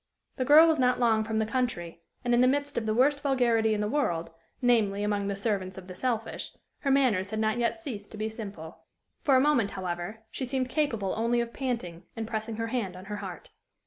The girl was not long from the country, and, in the midst of the worst vulgarity in the world, namely, among the servants of the selfish, her manners had not yet ceased to be simple. For a moment, however, she seemed capable only of panting, and pressing her hand on her heart.